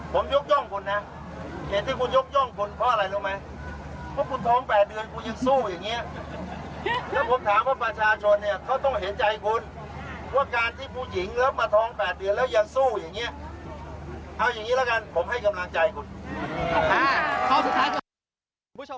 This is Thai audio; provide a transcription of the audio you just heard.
ผมยกย่องคุณนะเหตุที่คุณยกย่องคุณเพราะอะไรรู้ไหม